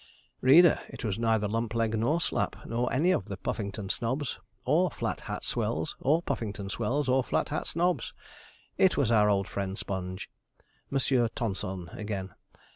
Reader! it was neither Lumpleg nor Slapp, nor any of the Puffington snobs, or Flat Hat swells, or Puffington swells, or Flat Hat snobs. It was our old friend Sponge; Monsieur Tonson again!